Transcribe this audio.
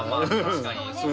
確かに。